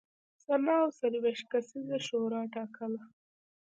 سنا او څلوېښت کسیزه شورا ټاکله.